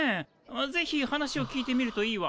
ぜひ話を聞いてみるといいわ。